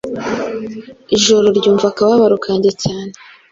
Ijoro ryumva akababaro kanjye cyane.